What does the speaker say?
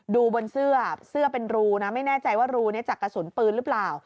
ดูบนเสื้อเสื้อเป็นรูนะไม่แน่ใจว่ารูนี้จากกระสุนปืนหรือเปล่า